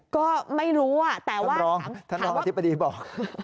ก็ไม่รู้แต่ว่าท่านรองอธิบดีบอก